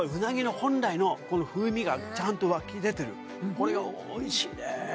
これはおいしいねえ